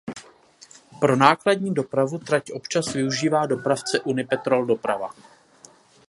Pro nákladní dopravu trať občas využívá dopravce Unipetrol Doprava.